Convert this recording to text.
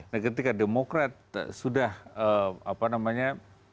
nah ketika demokrat sudah apa namanya